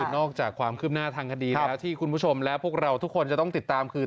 นอกจากความคืบหน้าทางคดีแล้วที่คุณผู้ชมและพวกเราทุกคนจะต้องติดตามคือ